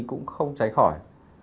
cũng không trái khỏi